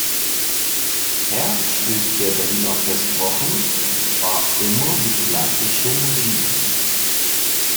Herzstück der Berliner Festwochen war immer die klassische Musik.